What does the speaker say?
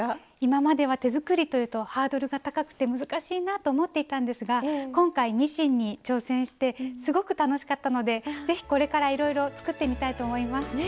今までは手作りというとハードルが高くて難しいなと思っていたんですが今回ミシンに挑戦してすごく楽しかったのでぜひこれからいろいろ作ってみたいと思います。